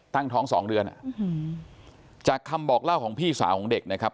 ตั้งท้องสองเดือนจากคำบอกเล่าของพี่สาวของเด็กนะครับ